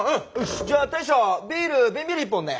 じゃあ大将ビール瓶ビール１本ね。